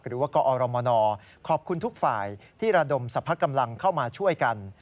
หรือว่ากอรมนขอบคุณทุกฝ่ายที่ระดมสรรพกำลังเข้ามาช่วยกัน